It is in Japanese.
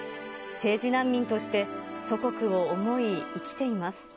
政治難民として、祖国を思い、生きています。